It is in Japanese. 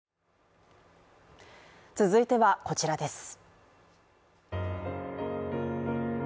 続いては、こちらです。